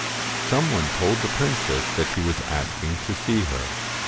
Some one told the princess that he was asking to see her.